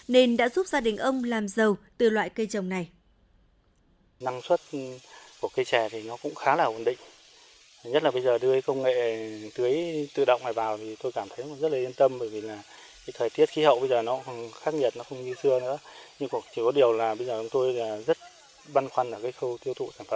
nên đã giúp gia đình ông làm giàu từ loại cây trồng này